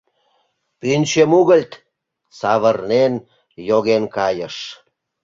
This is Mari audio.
Пӱнчӧ — мугыльт! — савырнен йоген кайыш.